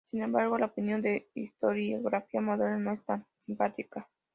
Sin embargo, la opinión de historiografía moderna no es tan simpática.